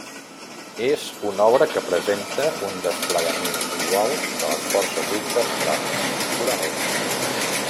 És una obra que presenta un desplegament inusual de les forces orquestrals i corals.